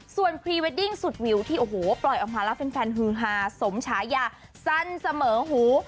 ส่วนพรีเวดดิ้งสุดวิวที่โอ้โหปล่อยออกมาแล้วแฟนฮือฮาสมฉายาสั้นเสมอหู